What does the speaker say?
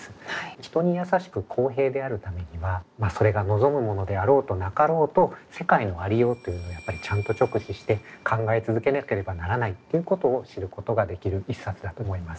人にやさしく公平であるためにはそれが望むものであろうとなかろうと世界のありようというのをやっぱりちゃんと直視して考え続けなければならないということを知ることができる一冊だと思います。